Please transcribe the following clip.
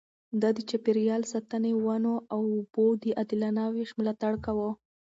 ده د چاپېريال ساتنې، ونو او اوبو د عادلانه وېش ملاتړ کاوه.